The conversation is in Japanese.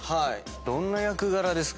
どんな役柄ですか？